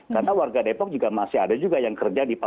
karena warga depok juga masih ada juga yang kerja di palau